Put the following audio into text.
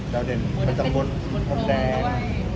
มันมีตับบนแดง